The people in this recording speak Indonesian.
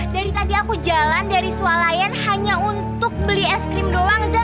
dari tadi aku jalan dari sualayan hanya untuk beli es krim doang